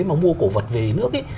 mà mua cổ vật về nước